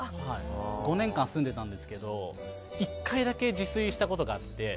５年間、住んでたんですけど１回だけ自炊したことがあって。